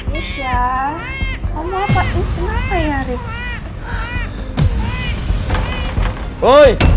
besek banget sih lo